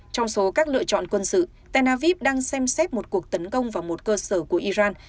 trong số các lựa chọn quân sự tel aviv đang xem xét một cuộc tấn công vào một cơ sở của iran